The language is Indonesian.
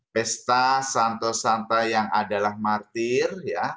pesta santo santa yang adalah martir